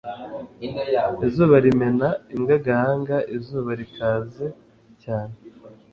izuba rimena imbwa agahanga izuba rikaze cyane